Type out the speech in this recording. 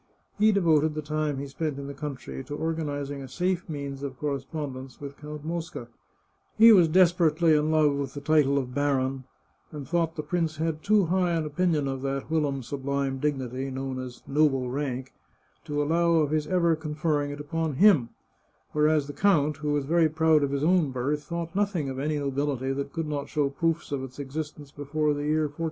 He devoted the time he spent in the country to organizing a safe means of correspondence with Count Mosca ; he was desperately in love with the title of baron, and thought the prince had too high an opinion of that whilom sublime dignity known as " noble rank " to allow of his ever conferring it upon him ; whereas the count, who was very proud of his own birth, thought nothing of any nobility that could not show proofs of its existence be fore the year 1400.